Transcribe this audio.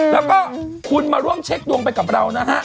แล้วก็คุณมาร่วมเช็คดวงไปกับเรานะฮะ